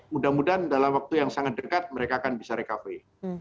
mudah mudahan dalam waktu yang sangat dekat mereka akan bisa recovery